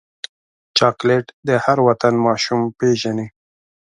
چاکلېټ د هر وطن ماشوم پیژني.